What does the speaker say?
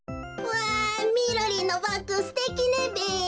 わあみろりんのバッグすてきねべ。